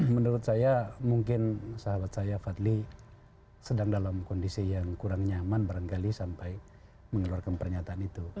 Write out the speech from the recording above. menurut saya mungkin sahabat saya fadli sedang dalam kondisi yang kurang nyaman barangkali sampai mengeluarkan pernyataan itu